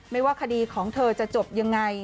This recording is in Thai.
ไม่ว่าคดีของเธอจะจบยังไง